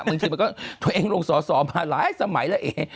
บางทีมันก็ตัวเองลงสอสอมาหลายสมัยแล้วเอง